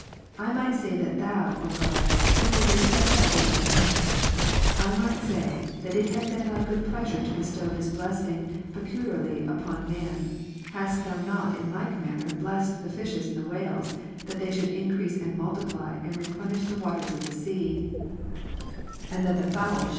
I might say that Thou, O God, who createdst us after Thine Image, I might say, that it had been Thy good pleasure to bestow this blessing peculiarly upon man; hadstThou not in like manner blessed the fishes and the whales, that they should increase and multiply, and replenish the waters of the sea, and that the fowls should be '^ See above, § 29.